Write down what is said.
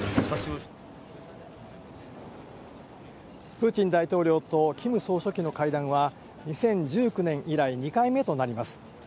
プーチン大統領とキム総書記の会談は、２０１９年以来２回目となります。